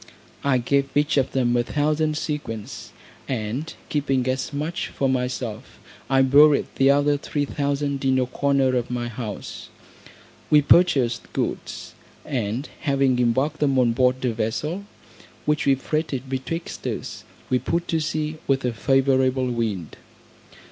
I gave each of them a thousand sequins, and keeping as much for myself, I buried the other three thousand in a corner of my house. We purchased goods, and having embarked them on board a vessel, which we freighted betwixt us, we put to sea with a favourable wind.